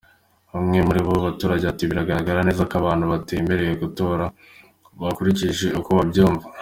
Umwe muri aba baturage ati: “Biragaragara neza ko abantu batemerewe gutora bakurikije uko babyumva.